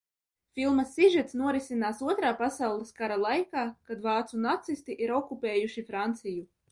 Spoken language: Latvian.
Filmas sižets norisinās Otrā pasaules kara laikā, kad vācu nacisti ir okupējuši Franciju.